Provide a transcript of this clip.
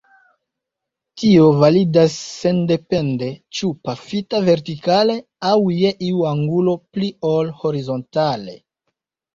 Tio validas sendepende ĉu pafita vertikale aŭ je iu angulo pli ol horizontale.